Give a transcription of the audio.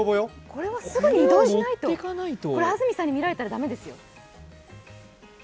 これすぐに移動しないと、これ安住さんに見られたら大変ですよ。